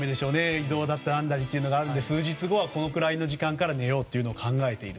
移動だったり何だりがあるので数日後はこのくらいの時間から寝ようと考えていると。